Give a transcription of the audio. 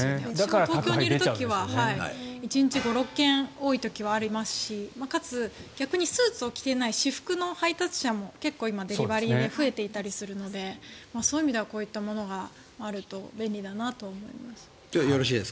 東京にいる時は１日５６件多い時はありますし逆にスーツを着ていない私服の配達者もデリバリーで増えているのでそういう意味ではこういうものがあると便利だと思います。